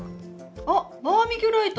あっバーミキュライト！